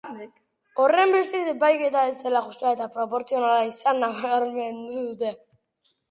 Horrenbestez, epaiketa ez zela justua eta proportzionala izan nabarmendu dute.